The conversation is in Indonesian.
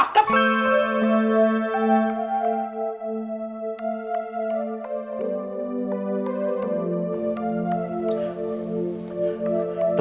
anak perempuan gue cakep